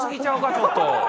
ちょっと。